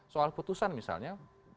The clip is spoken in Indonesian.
soal putusan misalnya